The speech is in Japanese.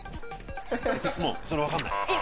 それ分かんない。